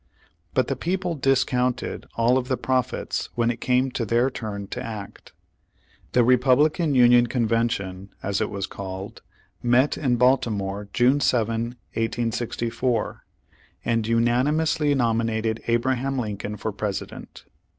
But the people discounted all of the prophets when it came their turn to act. The Republican Union Convention, as it was called, met in Baltimore, June 7, 1864, and unani mously nominated Abraham Lincoln for Presi dent.